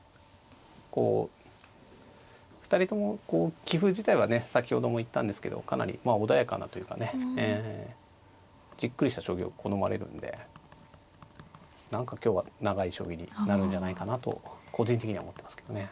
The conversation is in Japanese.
こう２人とも棋風自体はね先ほども言ったんですけどかなりまあ穏やかなというかねえじっくりした将棋を好まれるんで何か今日は長い将棋になるんじゃないかなと個人的には思ってますけどね。